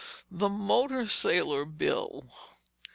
"The motor sailor, Bill!"